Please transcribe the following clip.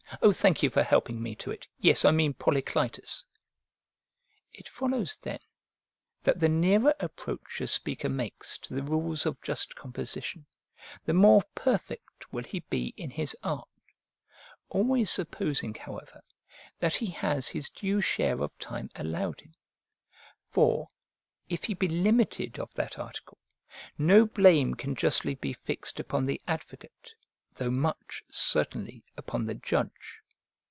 Oh, thank you for helping me to it: yes, I mean Polyclitus." It follows, then, that the nearer approach a speaker makes to the rules of just composition, the more perfect will he be in his art; always supposing, however, that he has his due share of time allowed him; for, if he be limited of that article, no blame can justly be fixed upon the advocate, though much certainly upon the judge.